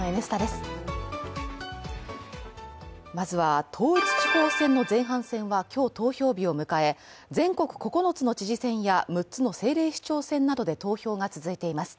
まずは統一地方選の前半戦は今日投票日を迎え全国９つの知事選や６つの政令市長選などで投票が続いています。